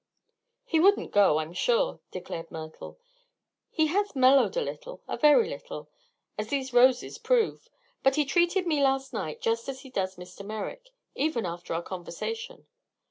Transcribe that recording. "He wouldn't go, I'm sure," declared Myrtle. "He has mellowed a little a very little as these roses prove. But he treated me last night just as he does Mr. Merrick, even after our conversation.